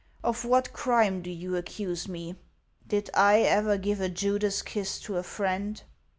Of what crime do you accuse me ? Did I ever give a Judas kiss to a friend